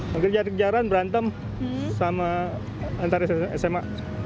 kerjaan kerjaan berantem sama antara sma